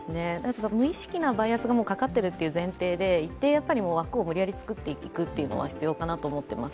無意識なバイアスがかかっているという前提で、一定、枠を作っていくのは必要かなと思います。